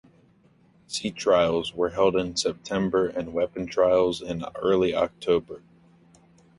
Sea trials were held in September and weapons trials in early October.